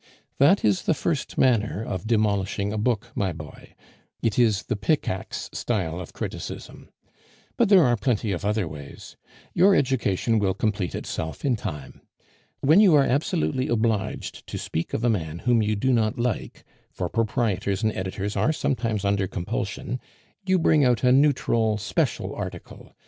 "That is the first manner of demolishing a book, my boy; it is the pickaxe style of criticism. But there are plenty of other ways. Your education will complete itself in time. When you are absolutely obliged to speak of a man whom you do not like, for proprietors and editors are sometimes under compulsion, you bring out a neutral special article.